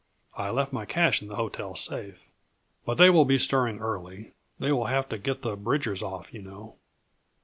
I left my cash in the hotel safe. But they will be stirring early they will have to get the Bridgers off, you know."